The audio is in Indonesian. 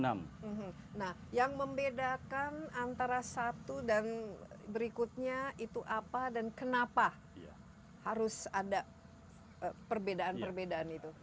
nah yang membedakan antara satu dan berikutnya itu apa dan kenapa harus ada perbedaan perbedaan itu